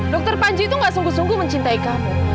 dokter panji itu gak sungguh sungguh mencintai kamu